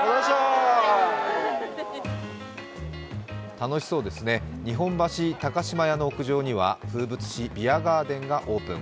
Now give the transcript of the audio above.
楽しそうですね、日本橋高島屋の屋上には風物詩・ビアガーデンがオープン。